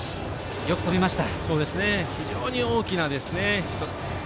よく止めました。